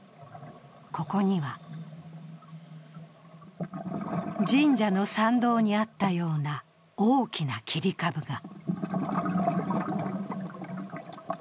ここには、神社の参道にあったような大きな切り株が。